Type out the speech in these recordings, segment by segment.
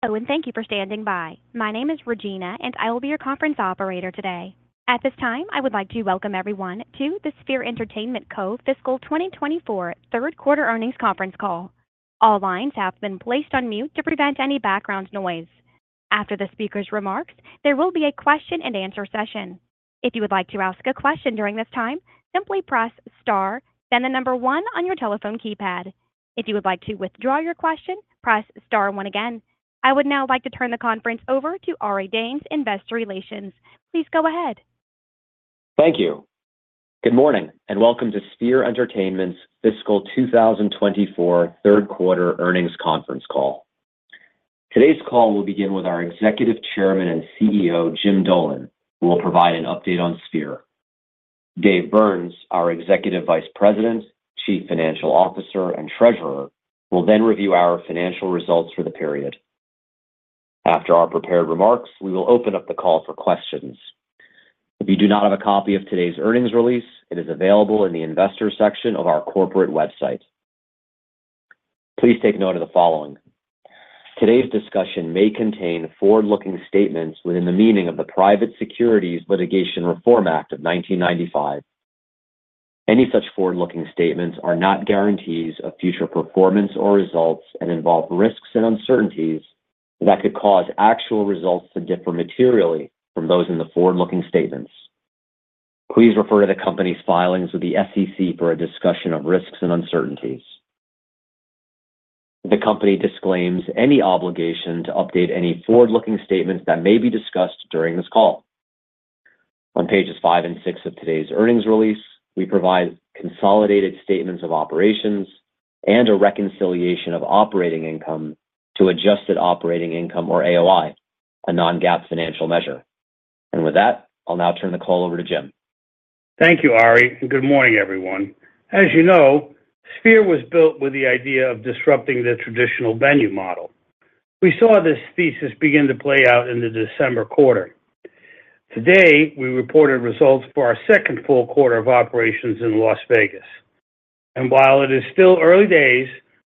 Hello and thank you for standing by. My name is Regina and I will be your conference operator today. At this time I would like to welcome everyone to the Sphere Entertainment Co fiscal 2024 third quarter earnings conference call. All lines have been placed on mute to prevent any background noise. After the speaker's remarks, there will be a question and answer session. If you would like to ask a question during this time, simply press star, then the number one on your telephone keypad. If you would like to withdraw your question, press star one again. I would now like to turn the conference over to Ari Danes, Investor Relations. Please go ahead. Thank you. Good morning and welcome to Sphere Entertainment's fiscal 2024 third quarter earnings conference call. Today's call will begin with our Executive Chairman and CEO, Jim Dolan, who will provide an update on Sphere. Dave Byrnes, our Executive Vice President, Chief Financial Officer, and Treasurer, will then review our financial results for the period. After our prepared remarks, we will open up the call for questions. If you do not have a copy of today's earnings release, it is available in the Investor section of our corporate website. Please take note of the following: today's discussion may contain forward-looking statements within the meaning of the Private Securities Litigation Reform Act of 1995. Any such forward-looking statements are not guarantees of future performance or results and involve risks and uncertainties that could cause actual results to differ materially from those in the forward-looking statements. Please refer to the company's filings with the SEC for a discussion of risks and uncertainties. The company disclaims any obligation to update any forward-looking statements that may be discussed during this call. On pages five and six of today's earnings release, we provide consolidated statements of operations and a reconciliation of operating income to adjusted operating income or AOI, a non-GAAP financial measure. With that, I'll now turn the call over to Jim. Thank you, Ari, and good morning, everyone. As you know, Sphere was built with the idea of disrupting the traditional venue model. We saw this thesis begin to play out in the December quarter. Today we reported results for our second full quarter of operations in Las Vegas. While it is still early days,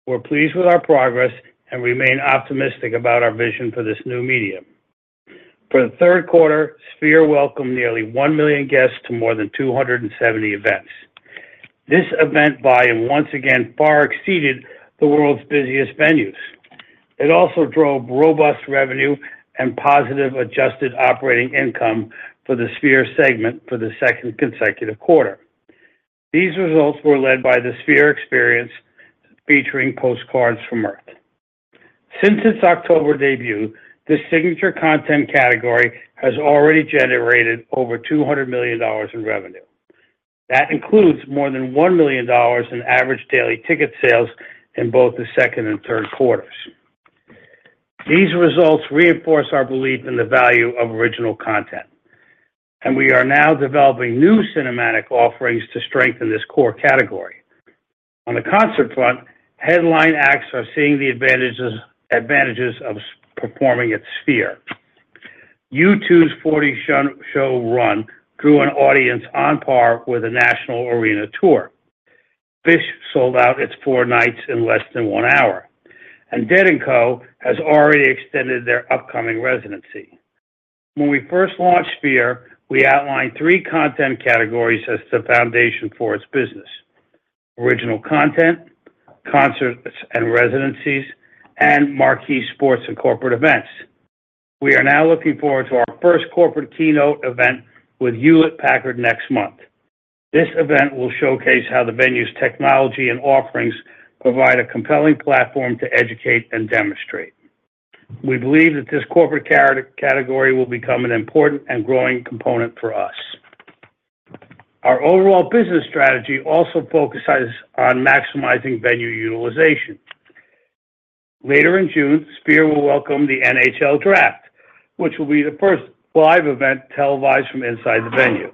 we're pleased with our progress and remain optimistic about our vision for this new medium. For the third quarter, Sphere welcomed nearly 1 million guests to more than 270 events. This event volume once again far exceeded the world's busiest venues. It also drove robust revenue and positive adjusted operating income for the Sphere segment for the second consecutive quarter. These results were led by the Sphere Experience featuring Postcard from Earth. Since its October debut, this signature content category has already generated over $200 million in revenue. That includes more than $1 million in average daily ticket sales in both the second and third quarters. These results reinforce our belief in the value of original content. We are now developing new cinematic offerings to strengthen this core category. On the concert front, headline acts are seeing the advantages of performing at Sphere. U2's 40 show run drew an audience on par with a national arena tour. Phish sold out its four nights in less than one hour. Dead & Co has already extended their upcoming residency. When we first launched Sphere, we outlined three content categories as the foundation for its business: original content, concerts and residencies, and marquee sports and corporate events. We are now looking forward to our first corporate keynote event with Hewlett Packard next month. This event will showcase how the venue's technology and offerings provide a compelling platform to educate and demonstrate. We believe that this corporate category will become an important and growing component for us. Our overall business strategy also focuses on maximizing venue utilization. Later in June, Sphere will welcome the NHL Draft, which will be the first live event televised from inside the venue.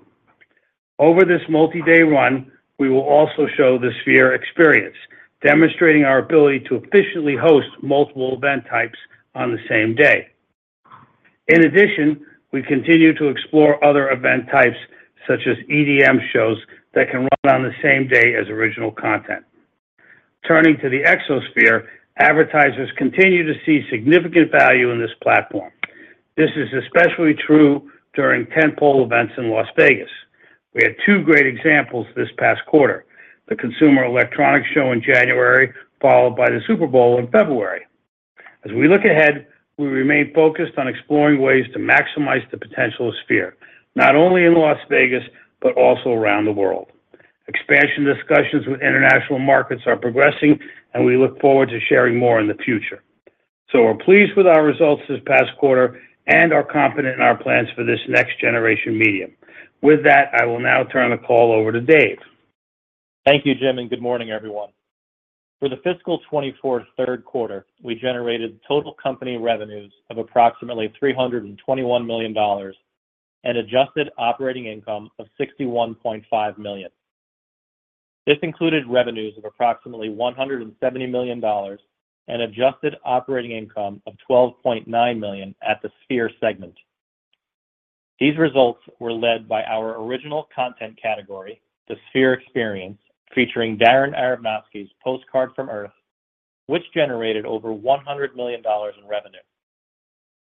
Over this multi-day run, we will also show the Sphere Experience, demonstrating our ability to efficiently host multiple event types on the same day. In addition, we continue to explore other event types such as EDM shows that can run on the same day as original content. Turning to the Exosphere, advertisers continue to see significant value in this platform. This is especially true during tentpole events in Las Vegas. We had two great examples this past quarter: the Consumer Electronics Show in January, followed by the Super Bowl in February. As we look ahead, we remain focused on exploring ways to maximize the potential of Sphere, not only in Las Vegas but also around the world. Expansion discussions with international markets are progressing, and we look forward to sharing more in the future. We're pleased with our results this past quarter and are confident in our plans for this next-generation medium. With that, I will now turn the call over to Dave. Thank you, Jim, and good morning, everyone. For the fiscal 2024 third quarter, we generated total company revenues of approximately $321 million and adjusted operating income of $61.5 million. This included revenues of approximately $170 million and adjusted operating income of $12.9 million at the Sphere segment. These results were led by our original content category, the Sphere Experience, featuring Darren Aronofsky's Postcard from Earth, which generated over $100 million in revenue.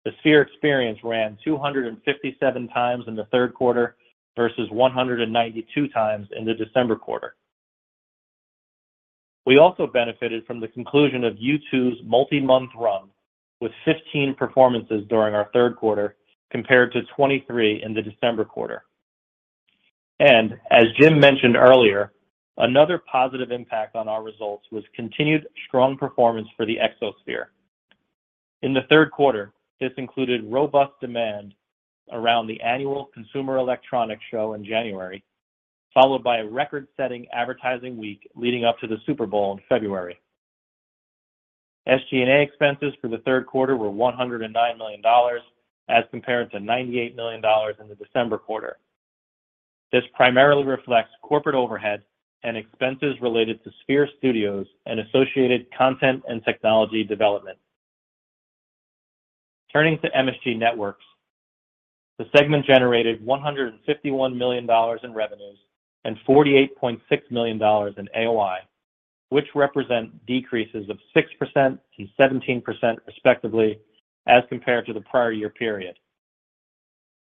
The Sphere Experience ran 257 times in the third quarter versus 192 times in the December quarter. We also benefited from the conclusion of U2's multi-month run with 15 performances during our third quarter compared to 23 in the December quarter. And as Jim mentioned earlier, another positive impact on our results was continued strong performance for the Exosphere. In the third quarter, this included robust demand around the annual Consumer Electronics Show in January, followed by a record-setting advertising week leading up to the Super Bowl in February. SG&A expenses for the third quarter were $109 million as compared to $98 million in the December quarter. This primarily reflects corporate overhead and expenses related to Sphere Studios and associated content and technology development. Turning to MSG Networks, the segment generated $151 million in revenues and $48.6 million in AOI, which represent decreases of 6% and 17% respectively as compared to the prior year period.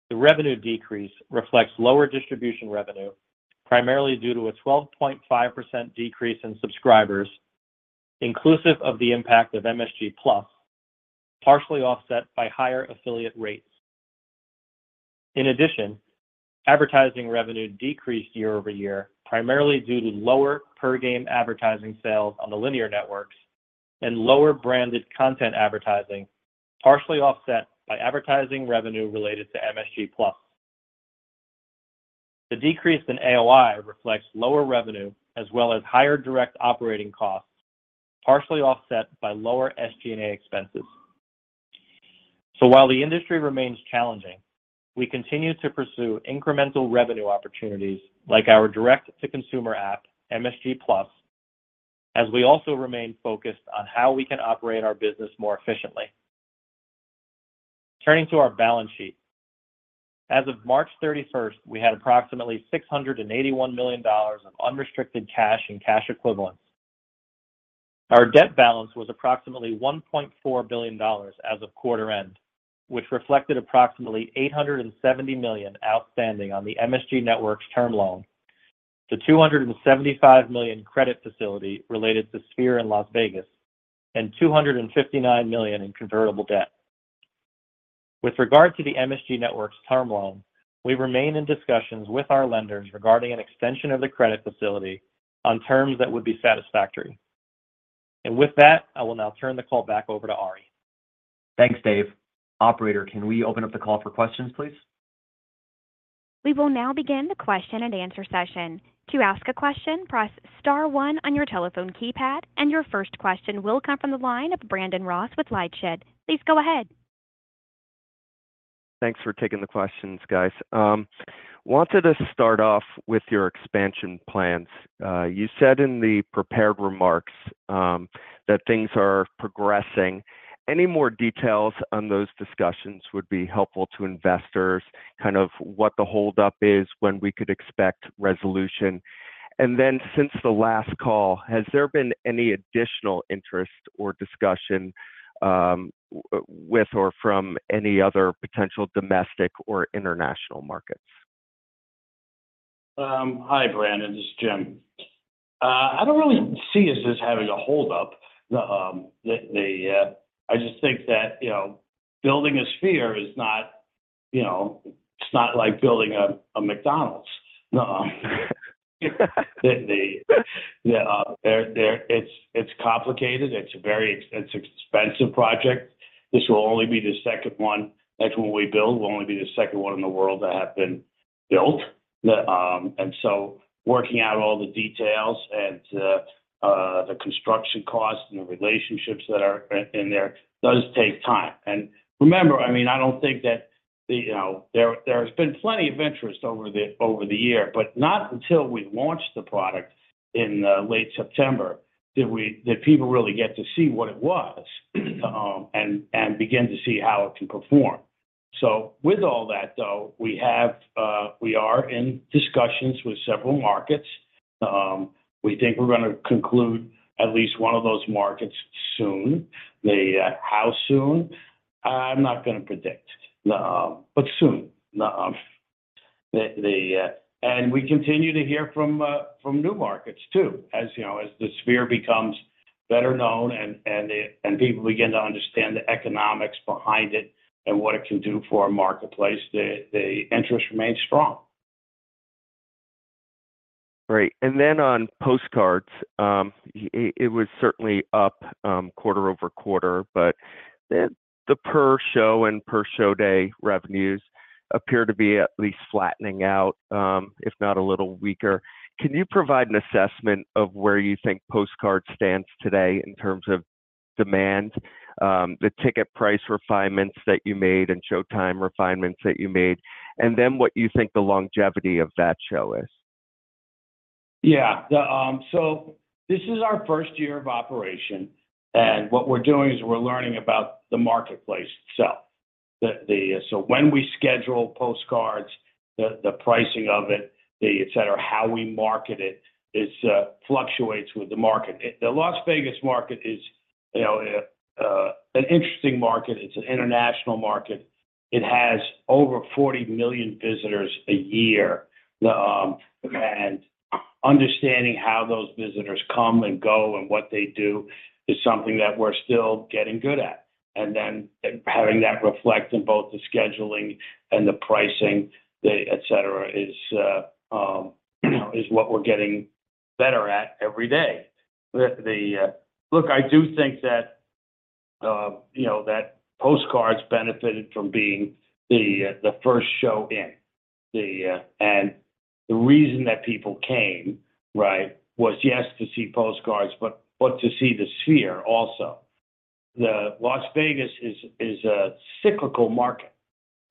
The revenue decrease reflects lower distribution revenue, primarily due to a 12.5% decrease in subscribers, inclusive of the impact of MSG+, partially offset by higher affiliate rates. In addition, advertising revenue decreased year-over-year primarily due to lower per-game advertising sales on the linear networks and lower branded content advertising, partially offset by advertising revenue related to MSG+. The decrease in AOI reflects lower revenue as well as higher direct operating costs, partially offset by lower SG&A expenses. So while the industry remains challenging, we continue to pursue incremental revenue opportunities like our direct-to-consumer app, MSG+, as we also remain focused on how we can operate our business more efficiently. Turning to our balance sheet. As of March 31st, we had approximately $681 million of unrestricted cash and cash equivalents. Our debt balance was approximately $1.4 billion as of quarter end, which reflected approximately $870 million outstanding on the MSG Networks term loan, the $275 million credit facility related to Sphere in Las Vegas, and $259 million in convertible debt. With regard to the MSG Networks term loan, we remain in discussions with our lenders regarding an extension of the credit facility on terms that would be satisfactory. With that, I will now turn the call back over to Ari. Thanks, Dave. Operator, can we open up the call for questions, please? We will now begin the question and answer session. To ask a question, press star 1 on your telephone keypad, and your first question will come from the line of Brandon Ross with LightShed. Please go ahead. Thanks for taking the questions, guys. Wanted to start off with your expansion plans. You said in the prepared remarks that things are progressing. Any more details on those discussions would be helpful to investors, kind of what the holdup is, when we could expect resolution. And then since the last call, has there been any additional interest or discussion with or from any other potential domestic or international markets? Hi, Brandon. This is Jim. I don't really see us as having a holdup. I just think that building a Sphere is not, it's not like building a McDonald's. It's complicated. It's an expensive project. This will only be the second one. Next one we build will only be the second one in the world to have been built. And so working out all the details and the construction costs and the relationships that are in there does take time. And remember, I mean, I don't think that there has been plenty of interest over the year, but not until we launched the product in late September did people really get to see what it was and begin to see how it can perform. So with all that, though, we are in discussions with several markets. We think we're going to conclude at least one of those markets soon. How soon? I'm not going to predict, but soon. We continue to hear from new markets too as the Sphere becomes better known and people begin to understand the economics behind it and what it can do for our marketplace. The interest remains strong. Great. And then on Postcards, it was certainly up quarter-over-quarter, but the per show and per show day revenues appear to be at least flattening out, if not a little weaker. Can you provide an assessment of where you think postcard stands today in terms of demand, the ticket price refinements that you made and showtime refinements that you made, and then what you think the longevity of that show is? Yeah. So this is our first year of operation, and what we're doing is we're learning about the marketplace itself. So when we schedule Postcards, the pricing of it, etc., how we market it fluctuates with the market. The Las Vegas market is an interesting market. It's an international market. It has over 40 million visitors a year. And understanding how those visitors come and go and what they do is something that we're still getting good at. And then having that reflect in both the scheduling and the pricing, etc., is what we're getting better at every day. Look, I do think that Postcards benefited from being the first show in. And the reason that people came, right, was, yes, to see Postcards, but to see the Sphere also. Las Vegas is a cyclical market,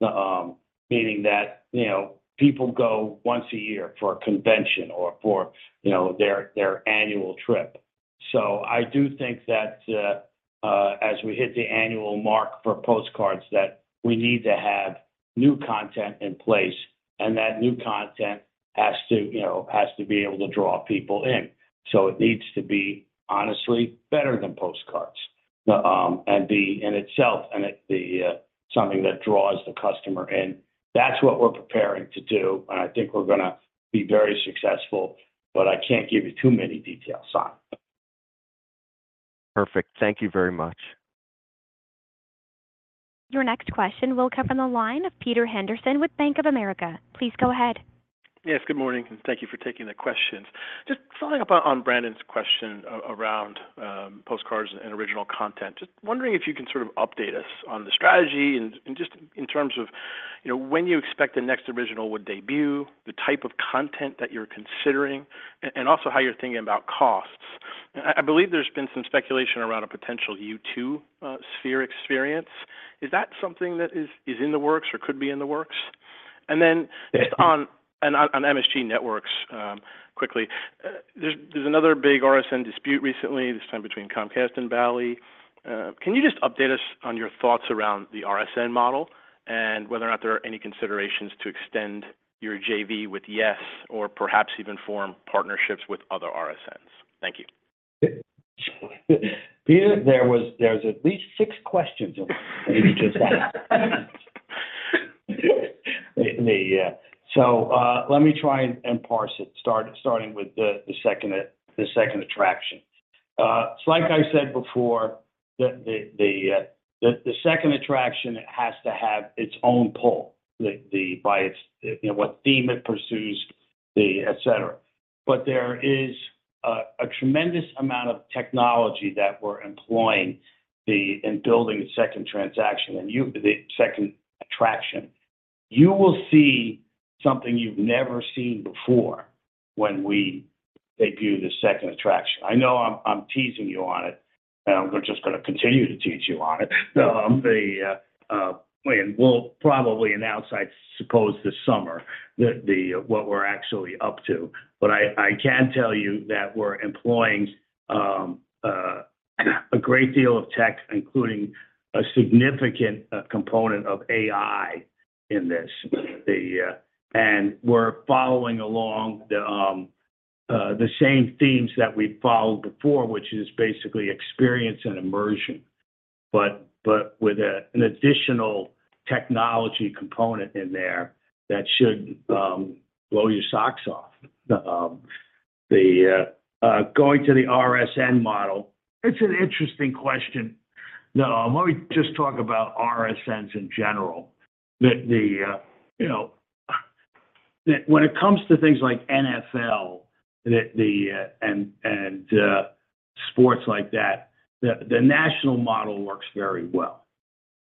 meaning that people go once a year for a convention or for their annual trip. So I do think that as we hit the annual mark for Postcards, that we need to have new content in place, and that new content has to be able to draw people in. So it needs to be, honestly, better than Postcards and be in itself something that draws the customer in. That's what we're preparing to do, and I think we're going to be very successful, but I can't give you too many details on it. Perfect. Thank you very much. Your next question will come from the line of Peter Henderson with Bank of America. Please go ahead. Yes, good morning. Thank you for taking the questions. Just following up on Brandon's question around Postcards and original content, just wondering if you can sort of update us on the strategy and just in terms of when you expect the next original would debut, the type of content that you're considering, and also how you're thinking about costs. I believe there's been some speculation around a potential U2 Sphere Experience. Is that something that is in the works or could be in the works? And then just on MSG Networks, quickly, there's another big RSN dispute recently, this time between Comcast and Bally. Can you just update us on your thoughts around the RSN model and whether or not there are any considerations to extend your JV with YES or perhaps even form partnerships with other RSNs? Thank you. Peter, there's at least six questions in what I need to just ask. So let me try and parse it, starting with the second attraction. It's like I said before, the second attraction has to have its own pull by what theme it pursues, etc. But there is a tremendous amount of technology that we're employing in building the second attraction, the second attraction. You will see something you've never seen before when we debut the second attraction. I know I'm teasing you on it, and I'm just going to continue to tease you on it. And we'll probably announce I suppose this summer what we're actually up to. But I can tell you that we're employing a great deal of tech, including a significant component of AI in this. And we're following along the same themes that we've followed before, which is basically experience and immersion, but with an additional technology component in there that should blow your socks off. Going to the RSN model, it's an interesting question. Let me just talk about RSNs in general. When it comes to things like NFL and sports like that, the national model works very well.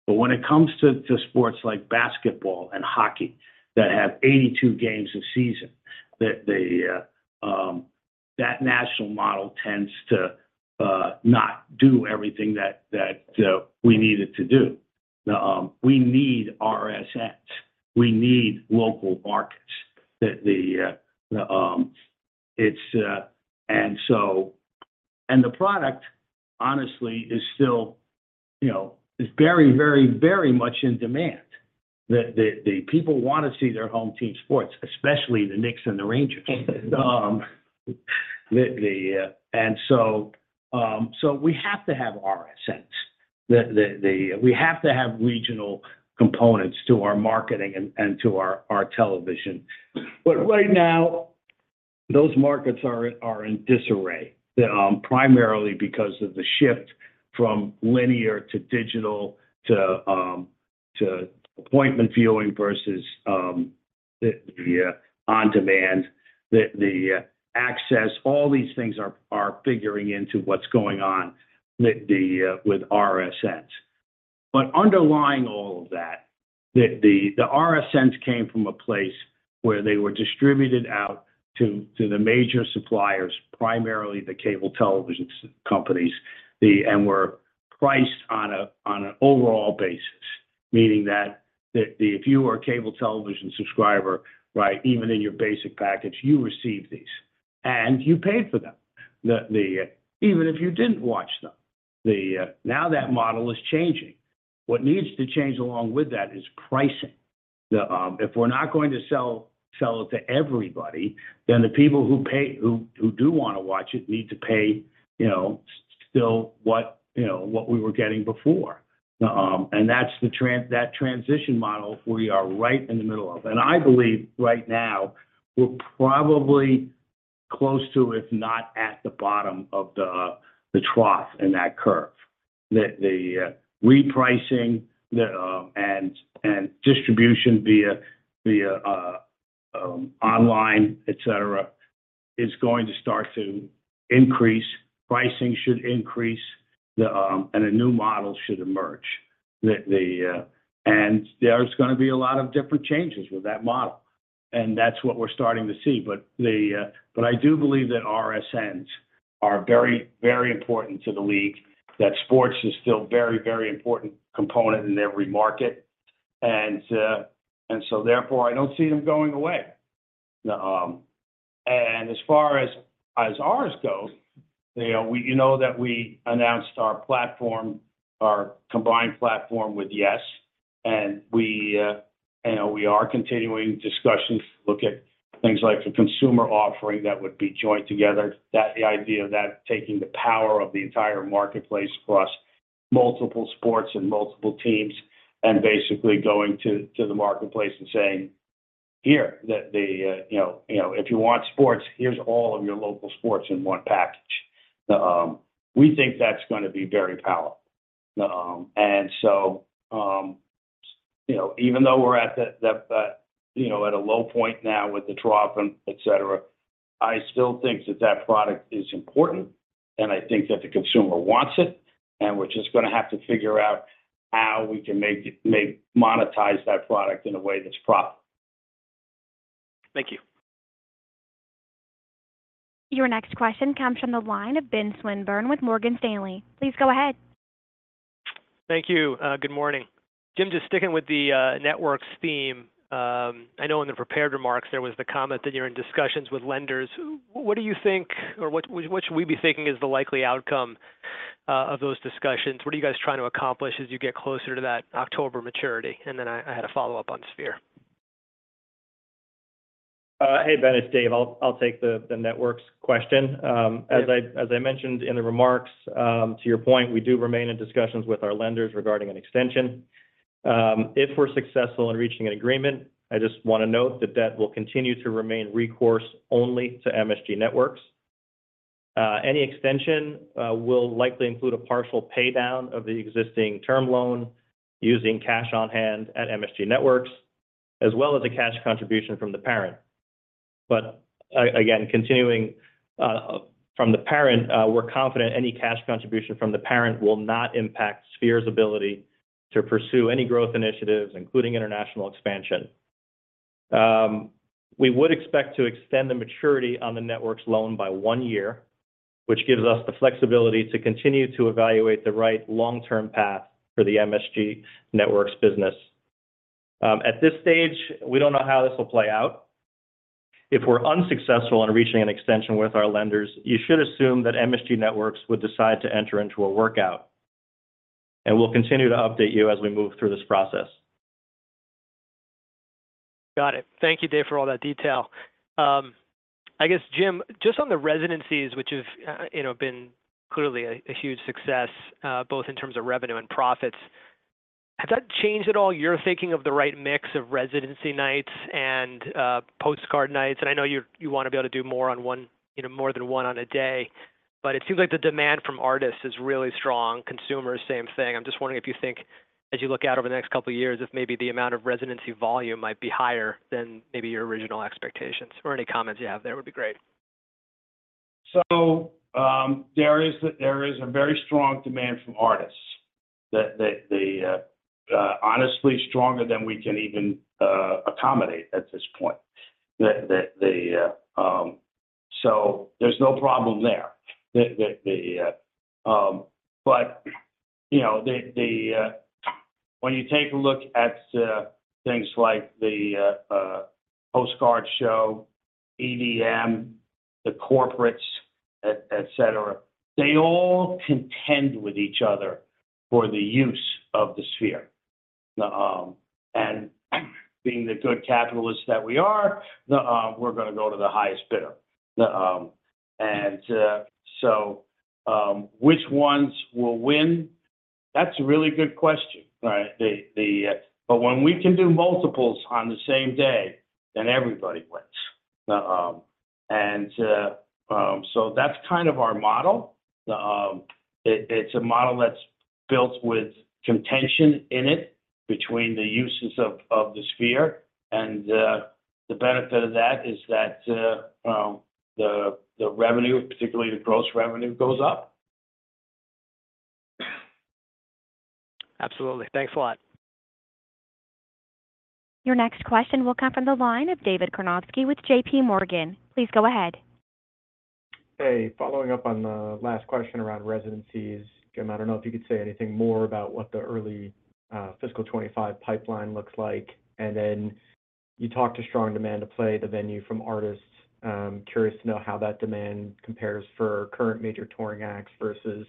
But when it comes to sports like basketball and hockey that have 82 games a season, that national model tends to not do everything that we need it to do. We need RSNs. We need local markets. And the product, honestly, is still very, very, very much in demand. People want to see their home team sports, especially the Knicks and the Rangers. And so we have to have RSNs. We have to have regional components to our marketing and to our television. But right now, those markets are in disarray, primarily because of the shift from linear to digital to appointment viewing versus the on-demand. All these things are figuring into what's going on with RSNs. But underlying all of that, the RSNs came from a place where they were distributed out to the major suppliers, primarily the cable television companies, and were priced on an overall basis, meaning that if you were a cable television subscriber, right, even in your basic package, you received these and you paid for them, even if you didn't watch them. Now that model is changing. What needs to change along with that is pricing. If we're not going to sell it to everybody, then the people who do want to watch it need to pay still what we were getting before. And that's that transition model we are right in the middle of. I believe right now, we're probably close to, if not at the bottom of the trough in that curve. The repricing and distribution via online, etc., is going to start to increase. Pricing should increase, and a new model should emerge. There's going to be a lot of different changes with that model, and that's what we're starting to see. But I do believe that RSNs are very, very important to the league, that sports is still a very, very important component in every market. So therefore, I don't see them going away. As far as ours goes, you know that we announced our combined platform with YES, and we are continuing discussions. Look at things like a consumer offering that would be joined together, the idea of that taking the power of the entire marketplace across multiple sports and multiple teams and basically going to the marketplace and saying, "Here, if you want sports, here's all of your local sports in one package." We think that's going to be very powerful. Even though we're at a low point now with the trough and etc., I still think that that product is important, and I think that the consumer wants it, and we're just going to have to figure out how we can monetize that product in a way that's profitable. Thank you. Your next question comes from the line of Ben Swinburne with Morgan Stanley. Please go ahead. Thank you. Good morning. Jim, just sticking with the networks theme, I know in the prepared remarks, there was the comment that you're in discussions with lenders. What do you think or what should we be thinking is the likely outcome of those discussions? What are you guys trying to accomplish as you get closer to that October maturity? And then I had a follow-up on Sphere. Hey, Ben. It's Dave. I'll take the networks question. As I mentioned in the remarks, to your point, we do remain in discussions with our lenders regarding an extension. If we're successful in reaching an agreement, I just want to note that that will continue to remain recourse only to MSG Networks. Any extension will likely include a partial paydown of the existing term loan using cash on hand at MSG Networks, as well as a cash contribution from the parent. But again, contribution from the parent, we're confident any cash contribution from the parent will not impact Sphere's ability to pursue any growth initiatives, including international expansion. We would expect to extend the maturity on the networks loan by one year, which gives us the flexibility to continue to evaluate the right long-term path for the MSG Networks business. At this stage, we don't know how this will play out. If we're unsuccessful in reaching an extension with our lenders, you should assume that MSG Networks would decide to enter into a workout. We'll continue to update you as we move through this process. Got it. Thank you, Dave, for all that detail. I guess, Jim, just on the residencies, which have been clearly a huge success both in terms of revenue and profits, has that changed at all your thinking of the right mix of residency nights and postcard nights? And I know you want to be able to do more than one on a day, but it seems like the demand from artists is really strong. Consumers, same thing. I'm just wondering if you think, as you look out over the next couple of years, if maybe the amount of residency volume might be higher than maybe your original expectations? Or any comments you have there would be great. There is a very strong demand from artists, honestly, stronger than we can even accommodate at this point. There's no problem there. But when you take a look at things like the postcard show, EDM, the corporates, etc., they all contend with each other for the use of the Sphere. And being the good capitalists that we are, we're going to go to the highest bidder. And so which ones will win? That's a really good question, right? But when we can do multiples on the same day, then everybody wins. And so that's kind of our model. It's a model that's built with contention in it between the uses of the Sphere. And the benefit of that is that the revenue, particularly the gross revenue, goes up. Absolutely. Thanks a lot. Your next question will come from the line of David Karnovsky with J.P. Morgan. Please go ahead. Hey, following up on the last question around residencies, Jim, I don't know if you could say anything more about what the early fiscal 2025 pipeline looks like. And then you talked to strong demand to play the venue from artists. Curious to know how that demand compares for current major touring acts versus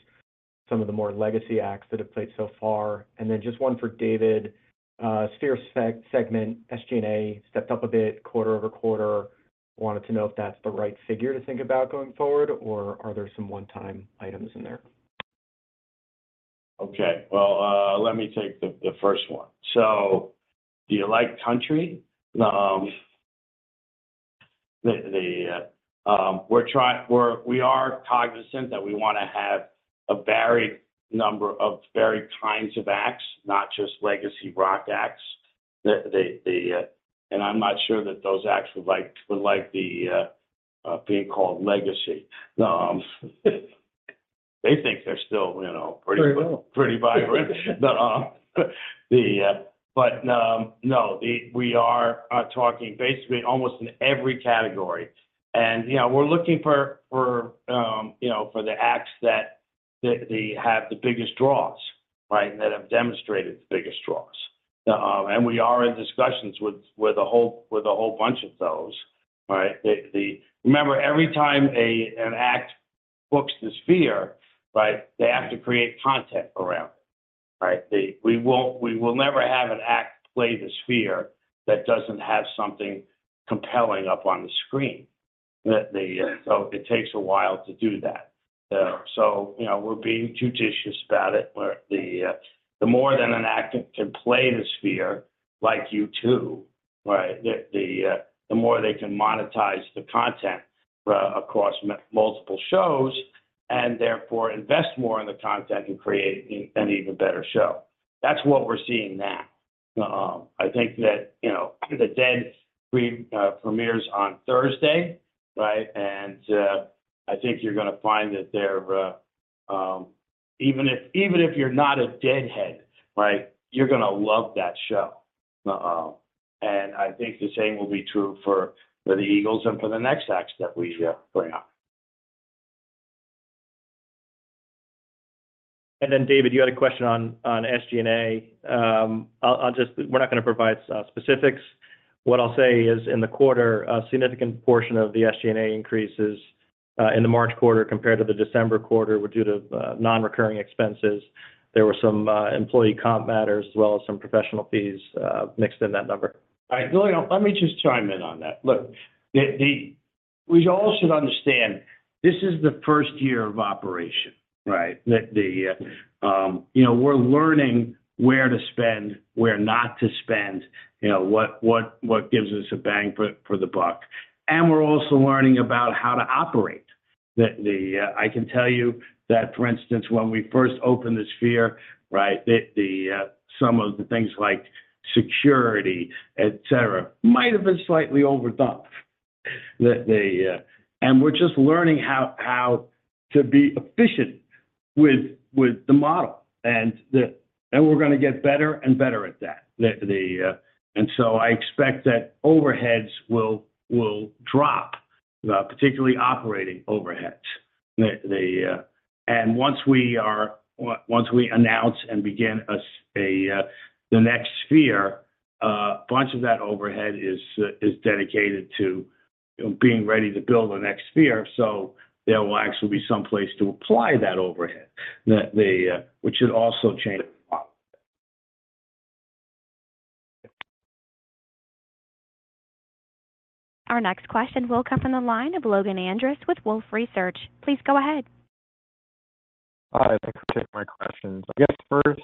some of the more legacy acts that have played so far. And then just one for David, Sphere segment, SG&A stepped up a bit quarter-over-quarter. Wanted to know if that's the right figure to think about going forward, or are there some one-time items in there? Okay. Well, let me take the first one. So do you like country? We are cognizant that we want to have a varied number of varied kinds of acts, not just legacy rock acts. And I'm not sure that those acts would like the being called legacy. They think they're still pretty vibrant. Pretty well. But no, we are talking basically almost in every category. And we're looking for the acts that have the biggest draws, right, that have demonstrated the biggest draws. And we are in discussions with a whole bunch of those, right? Remember, every time an act books the Sphere, right, they have to create content around it, right? We will never have an act play the Sphere that doesn't have something compelling up on the screen. So it takes a while to do that. So we're being judicious about it. The more an act can play the Sphere like U2, right, the more they can monetize the content across multiple shows and therefore invest more in the content and create an even better show. That's what we're seeing now. I think that the Dead premieres on Thursday, right? I think you're going to find that even if you're not a Deadhead, right, you're going to love that show. I think the same will be true for the Eagles and for the next acts that we bring on. And then, David, you had a question on SG&A. We're not going to provide specifics. What I'll say is in the quarter, a significant portion of the SG&A increases in the March quarter compared to the December quarter due to non-recurring expenses. There were some employee comp matters as well as some professional fees mixed in that number. All right. Let me just chime in on that. Look, we all should understand this is the first year of operation, right? We're learning where to spend, where not to spend, what gives us a bang for the buck. And we're also learning about how to operate. I can tell you that, for instance, when we first opened the Sphere, right, some of the things like security, etc., might have been slightly overdone. And we're just learning how to be efficient with the model. And we're going to get better and better at that. And so I expect that overheads will drop, particularly operating overheads. And once we announce and begin the next Sphere, a bunch of that overhead is dedicated to being ready to build the next Sphere. So there will actually be someplace to apply that overhead, which should also change the model. Our next question will come from the line of Logan Angress with Wolfe Research. Please go ahead. Hi. I'd like to take my questions. I guess first,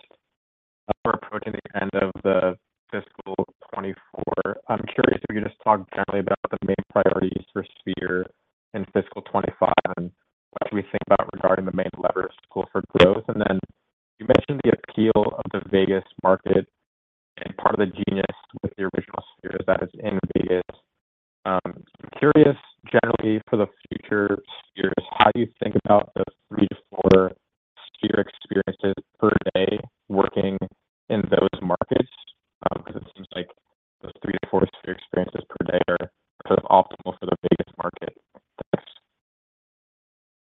we're approaching the end of the fiscal 2024. I'm curious if you could just talk generally about the main priorities for Sphere in fiscal 2025 and what should we think about regarding the main levers to pull for growth. And then you mentioned the appeal of the Vegas market, and part of the genius with the original Sphere is that it's in Vegas. I'm curious, generally, for the future Spheres, how do you think about the 3-4 Sphere Experiences per day working in those markets? Because it seems like the 3-4 Sphere Experiences per day are sort of optimal for the Vegas market.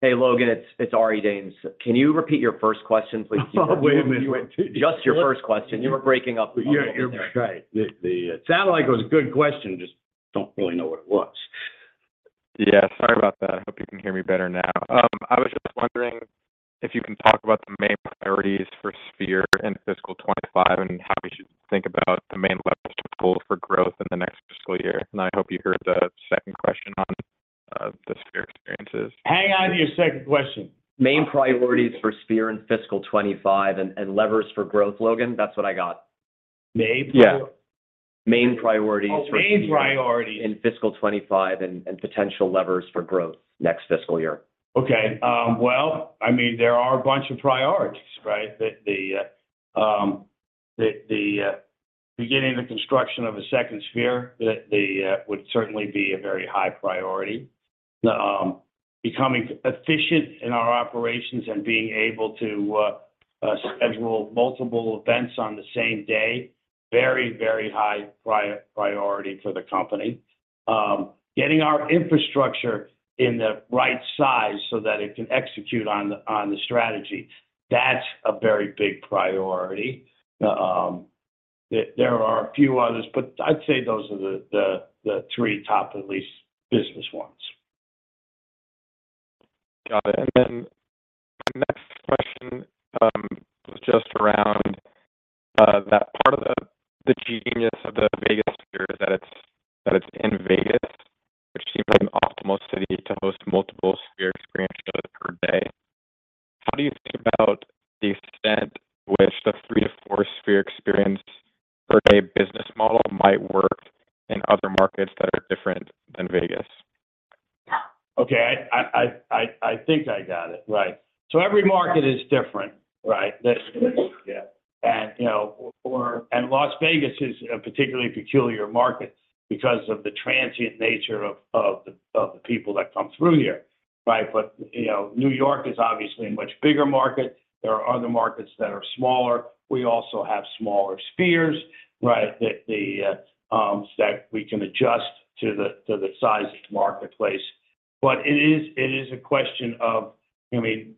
Thanks. Hey, Logan. It's Ari Danes. Can you repeat your first question, please? Oh, wait a minute. Just your first question. You were breaking up the audience. Yeah. You're right. It sounded like it was a good question. Just don't really know what it was. Yeah. Sorry about that. I hope you can hear me better now. I was just wondering if you can talk about the main priorities for Sphere in fiscal 2025 and how we should think about the main levers to pull for growth in the next fiscal year. And I hope you heard the second question on the Sphere Experiences. Hang on to your second question. Main priorities for Sphere in fiscal 2025 and levers for growth, Logan? That's what I got. Maybe? Yeah. Main priorities for Sphere in fiscal 2025 and potential levers for growth next fiscal year. Okay. Well, I mean, there are a bunch of priorities, right? The beginning of the construction of a second Sphere would certainly be a very high priority. Becoming efficient in our operations and being able to schedule multiple events on the same day, very, very high priority for the company. Getting our infrastructure in the right size so that it can execute on the strategy, that's a very big priority. There are a few others, but I'd say those are the three top, at least, business ones. Got it. And then my next question was just around that part of the genius of the Vegas Sphere is that it's in Vegas, which seems like an optimal city to host multiple Sphere Experiences per day. How do you think about the extent to which the 3-4 Sphere Experience per day business model might work in other markets that are different than Vegas? Okay. I think I got it. Right. So every market is different, right? And Las Vegas is a particularly peculiar market because of the transient nature of the people that come through here, right? But New York is obviously a much bigger market. There are other markets that are smaller. We also have smaller Spheres, right, that we can adjust to the size of the marketplace. But it is a question of, I mean,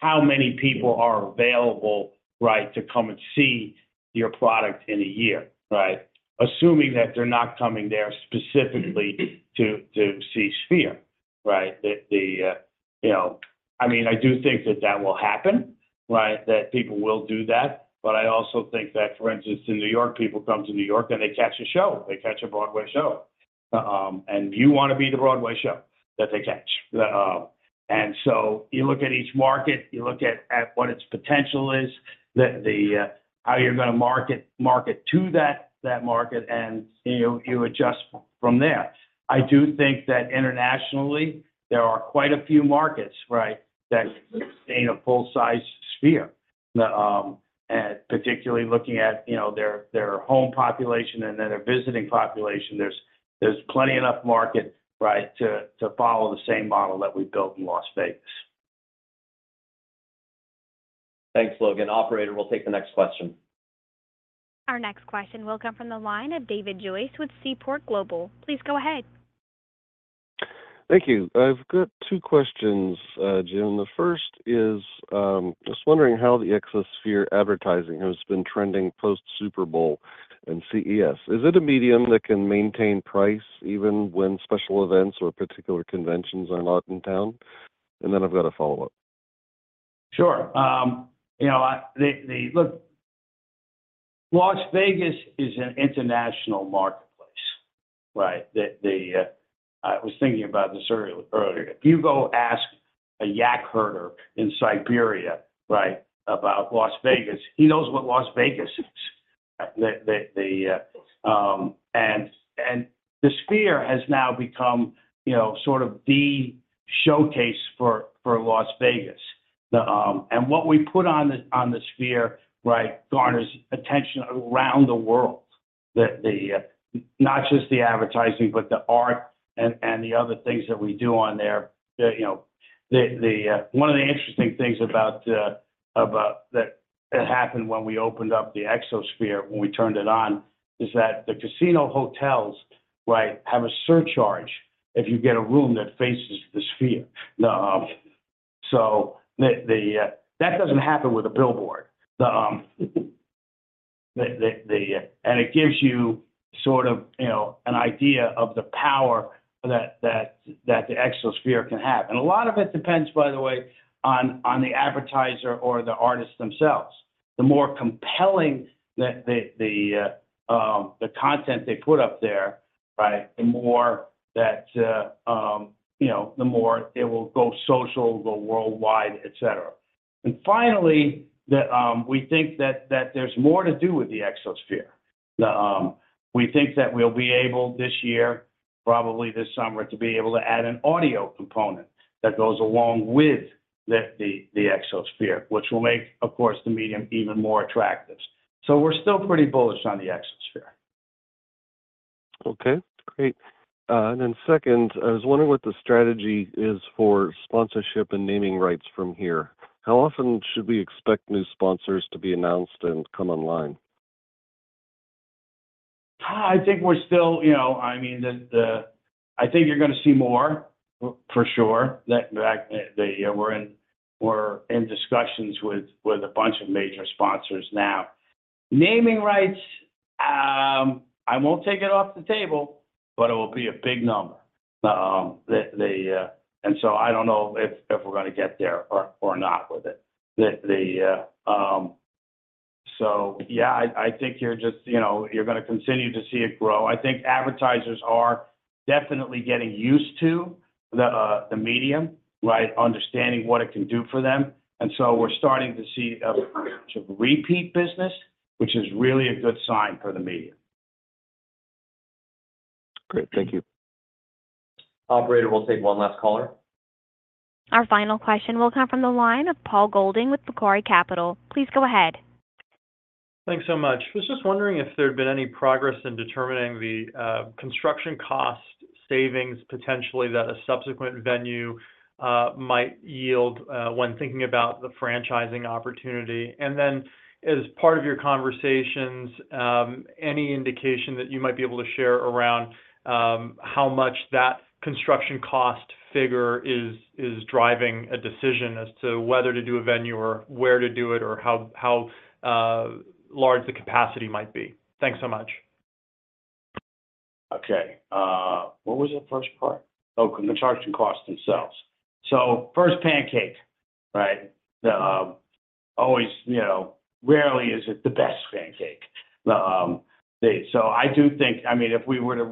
how many people are available, right, to come and see your product in a year, right, assuming that they're not coming there specifically to see Sphere, right? I mean, I do think that that will happen, right, that people will do that. But I also think that, for instance, in New York, people come to New York, and they catch a show. They catch a Broadway show. You want to be the Broadway show that they catch. So you look at each market, you look at what its potential is, how you're going to market to that market, and you adjust from there. I do think that internationally, there are quite a few markets, right, that sustain a full-size Sphere. And particularly looking at their home population and then their visiting population, there's plenty enough market, right, to follow the same model that we built in Las Vegas. Thanks, Logan. Operator, we'll take the next question. Our next question will come from the line of David Joyce with Seaport Global. Please go ahead. Thank you. I've got two questions, Jim. The first is just wondering how the Exosphere advertising has been trending post-Super Bowl and CES. Is it a medium that can maintain price even when special events or particular conventions are not in town? And then I've got a follow-up. Sure. Look, Las Vegas is an international marketplace, right? I was thinking about this earlier. If you go ask a yak herder in Siberia, right, about Las Vegas, he knows what Las Vegas is, right? And the Sphere has now become sort of the showcase for Las Vegas. And what we put on the Sphere, right, garners attention around the world, not just the advertising, but the art and the other things that we do on there. One of the interesting things that happened when we opened up the Exosphere, when we turned it on, is that the casino hotels, right, have a surcharge if you get a room that faces the Sphere. So that doesn't happen with a billboard. And it gives you sort of an idea of the power that the Exosphere can have. And a lot of it depends, by the way, on the advertiser or the artist themselves. The more compelling the content they put up there, right, the more that it will go social, go worldwide, etc. And finally, we think that there's more to do with the Exosphere. We think that we'll be able this year, probably this summer, to be able to add an audio component that goes along with the Exosphere, which will make, of course, the medium even more attractive. So we're still pretty bullish on the Exosphere. Okay. Great. And then second, I was wondering what the strategy is for sponsorship and naming rights from here. How often should we expect new sponsors to be announced and come online? I think we're still I mean, I think you're going to see more, for sure. We're in discussions with a bunch of major sponsors now. Naming rights, I won't take it off the table, but it will be a big number. And so I don't know if we're going to get there or not with it. So yeah, I think you're going to continue to see it grow. I think advertisers are definitely getting used to the medium, right, understanding what it can do for them. And so we're starting to see a bunch of repeat business, which is really a good sign for the medium. Great. Thank you. Operator, we'll take one last caller. Our final question will come from the line of Paul Golding with Macquarie Capital. Please go ahead. Thanks so much. I was just wondering if there'd been any progress in determining the construction cost savings, potentially, that a subsequent venue might yield when thinking about the franchising opportunity. And then as part of your conversations, any indication that you might be able to share around how much that construction cost figure is driving a decision as to whether to do a venue or where to do it or how large the capacity might be? Thanks so much. Okay. What was the first part? Oh, construction costs themselves. So first pancake, right? Rarely is it the best pancake. So I do think, I mean, if we were to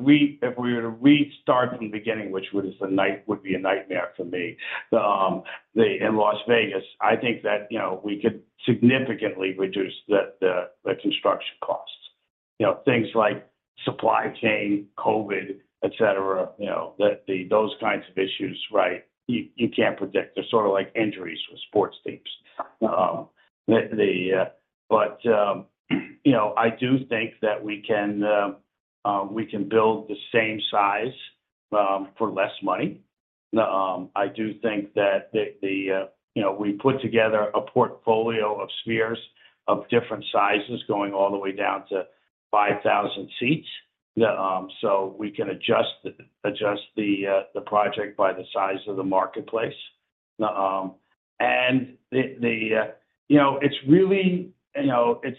restart from the beginning, which would be a nightmare for me in Las Vegas, I think that we could significantly reduce the construction costs. Things like supply chain, COVID, etc., those kinds of issues, right? You can't predict. They're sort of like injuries with sports teams. But I do think that we can build the same size for less money. I do think that we put together a portfolio of Spheres of different sizes going all the way down to 5,000 seats. So we can adjust the project by the size of the marketplace. And it's really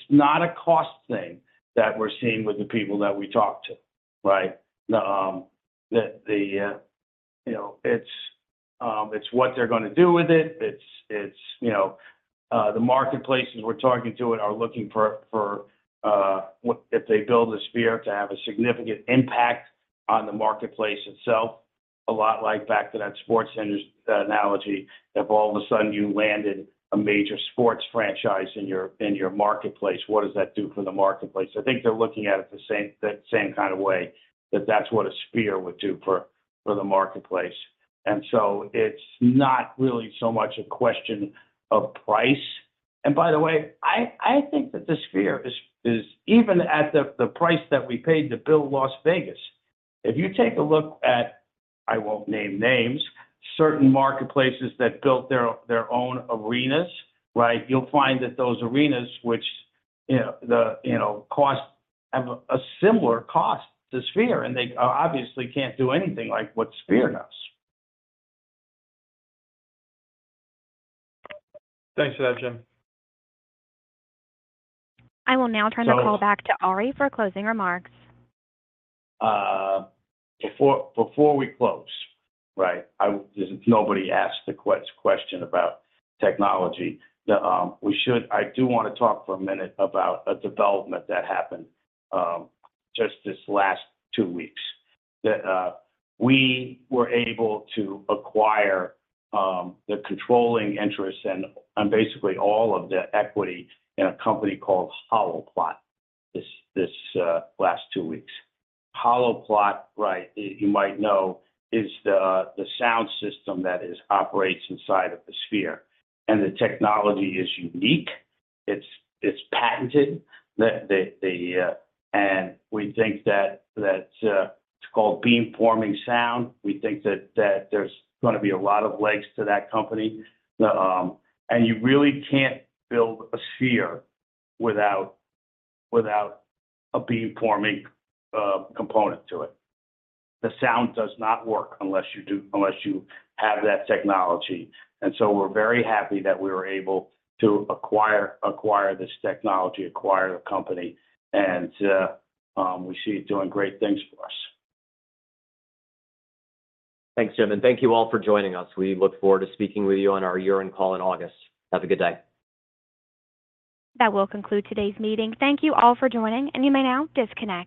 not a cost thing that we're seeing with the people that we talk to, right? It's what they're going to do with it. The marketplaces we're talking to are looking for, if they build a Sphere, to have a significant impact on the marketplace itself, a lot like back to that sports analogy of all of a sudden you landed a major sports franchise in your marketplace. What does that do for the marketplace? I think they're looking at it the same kind of way, that that's what a Sphere would do for the marketplace. And so it's not really so much a question of price. And by the way, I think that the Sphere is even at the price that we paid to build Las Vegas. If you take a look at, I won't name names, certain marketplaces that built their own arenas, right, you'll find that those arenas, which costs have a similar cost to Sphere, and they obviously can't do anything like what Sphere does. Thanks for that, Jim. I will now turn the call back to Ari for closing remarks. Before we close, right, nobody asked the question about technology. I do want to talk for a minute about a development that happened just this last two weeks. We were able to acquire the controlling interests and basically all of the equity in a company called HOLOPLOT this last two weeks. HOLOPLOT, right, you might know, is the sound system that operates inside of the Sphere. The technology is unique. It's patented. We think that it's called beamforming sound. We think that there's going to be a lot of legs to that company. You really can't build a Sphere without a beamforming component to it. The sound does not work unless you have that technology. So we're very happy that we were able to acquire this technology, acquire the company, and we see it doing great things for us. Thanks, Jim. Thank you all for joining us. We look forward to speaking with you on our year-end call in August. Have a good day. That will conclude today's meeting. Thank you all for joining, and you may now disconnect.